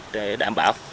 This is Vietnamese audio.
để đảm bảo